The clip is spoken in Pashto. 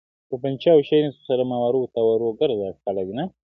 • سرګردان لکه مېچن یم پکښي ورک مي صبح و شام دی -